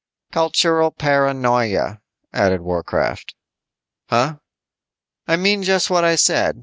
"Cultural paranoia," added Warcraft. "Huh?" "I mean just what I said.